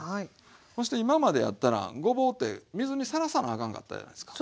そして今までやったらごぼうって水にさらさなあかんかったやないですか。